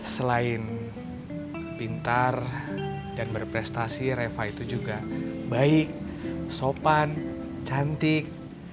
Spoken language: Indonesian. selain pintar dan berprestasi reva itu juga baik sopan cantik